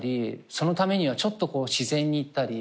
そのためにはちょっと自然に行ったり。